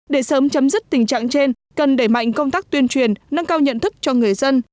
để sớm chấm dứt tình trạng trên cần đẩy mạnh công tác tuyên truyền nâng cao nhận thức cho người dân